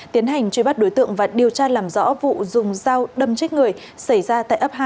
tiến hành truy bắt đối tượng và điều tra làm rõ vụ dùng dao đâm chết người xảy ra tại ấp hai